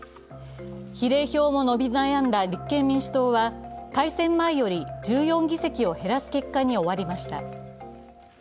比例票の伸び悩んで立憲民主党は改選前より１４議席を減らす結果に終わりました。